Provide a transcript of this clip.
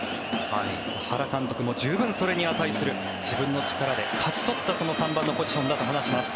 原監督も十分それに値する自分の力で勝ち取ったその３番のポジションだと話します。